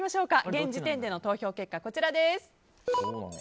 現時点での投票結果です。